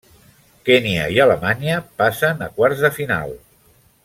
Kenya i Alemanya passen a quarts de final.